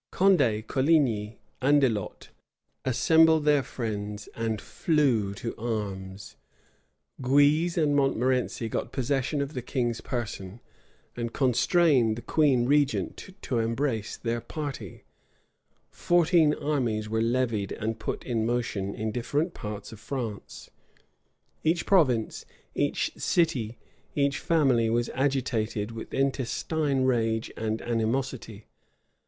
Condé, Coligny, Andelot assembled their friends and flew to arms: Guise and Montmorency got possession of the king's person, and constrained the queen regent to embrace their party: fourteen armies were levied and put in motion in different parts of France;[*] each province, each city, each family, was agitated with intestine rage and animosity.